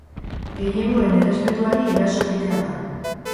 Gehiengoen errespetuari eraso egitea da.